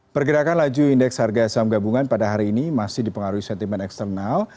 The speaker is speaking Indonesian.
pergerakan laju indeks harga saham gabungan pada hari ini masih dipengaruhi sentimen eksternal